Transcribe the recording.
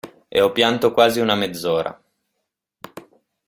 E ho pianto quasi una mezz'ora.